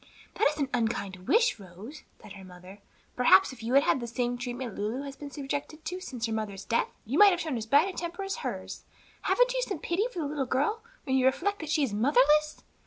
"That is an unkind wish, Rose," said her mother. "Perhaps if you had had the same treatment Lulu has been subjected to since her mother's death, you might have shown as bad a temper as hers. Haven't you some pity for the little girl, when you reflect that she is motherless?"